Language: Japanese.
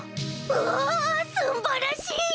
うおすんばらしい！